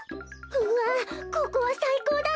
うわここはさいこうだな。